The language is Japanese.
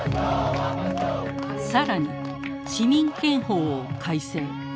更に市民権法を改正。